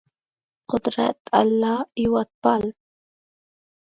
قدرت الله هېوادپال